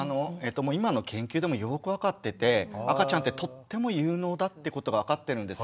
今の研究でもよく分かってて赤ちゃんってとっても有能だってことが分かってるんです。